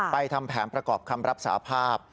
ทำแผนประกอบคำรับสาภาพ